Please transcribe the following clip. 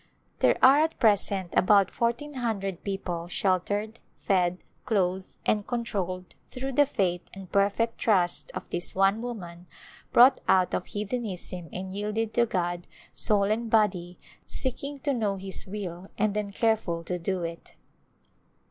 There are at present about fourteen hundred people sheltered, fed, clothed and controlled through the faith and perfect trust of this one woman brought out of heathenism and yielded to God, soul and body, seek ing to know His will and then careful to do it.